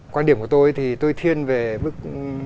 quan điểm của tôi thì tôi thiên về bức